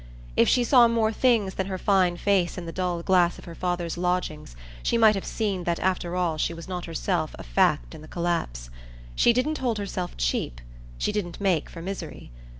If she saw more things than her fine face in the dull glass of her father's lodgings she might have seen that after all she was not herself a fact in the collapse. She didn't hold herself cheap, she didn't make for misery.